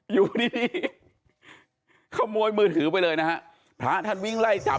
อยู่ที่นี่ขโมยมือถือไปเลยพระท่านวิ่งไล่จับ